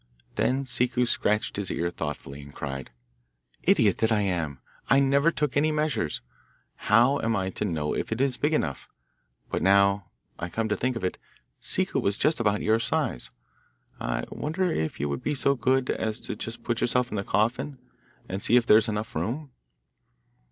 Then Ciccu scratched his ear thoughtfully, and cried, 'Idiot that I am! I never took any measures. How am I to know if it is big enough? But now I come to think of it, Ciccu was about your size. I wonder if you would be so good as just to put yourself in the coffin, and see if there is enough room.